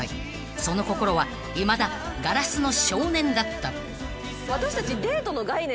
［その心はいまだ硝子の少年だった］